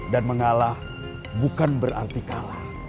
dan mengalah bukan berarti kalah